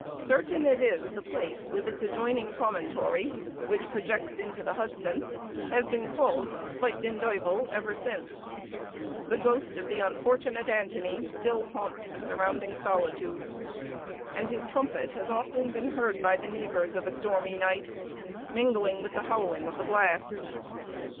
Certain it is, the place, with the adjoining promontory, which projects into the Hudson, has been called Spyt den Duyvel ever since; the ghost of the unfortunate Antony still haunts the surrounding solitudes, and his trumpet has often been heard by the neighbors of a stormy night, mingling with the howling of the blast.